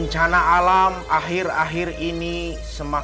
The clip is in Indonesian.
tunggu bentar ya